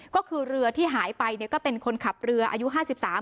ก็คือเรือที่หายไปเนี่ยก็เป็นคนขับเรืออายุห้าสิบสาม